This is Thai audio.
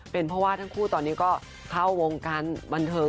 เป็นเพราะว่าทั้งคู่ตอนนี้ก็เข้าวงการบันเทิง